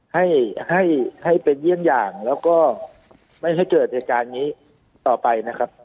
ให้ให้เป็นเยี่ยงอย่างแล้วก็ไม่ให้เกิดเหตุการณ์นี้ต่อไปนะครับ